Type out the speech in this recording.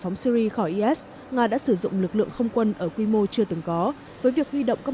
phóng syri khỏi is nga đã sử dụng lực lượng không quân ở quy mô chưa từng có với việc huy động các